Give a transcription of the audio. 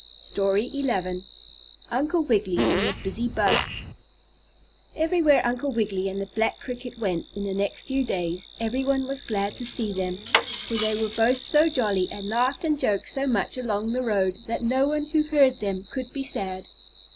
STORY XI UNCLE WIGGILY AND THE BUSY BUG Everywhere Uncle Wiggily and the black cricket went in the next few days, every one was glad to see them. For they were both so jolly, and laughed and joked so much along the road, that no one who heard them could be sad.